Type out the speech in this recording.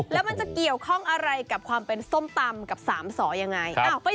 แล้วมันจะเกี่ยวข้องอะไรกับความเป็นส้มตำกับ๓สอยังไง